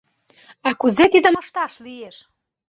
А кузе тидым ышташ лиеш?